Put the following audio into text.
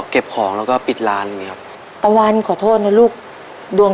ทับผลไม้เยอะเห็นยายบ่นบอกว่าเป็นยังไงครับ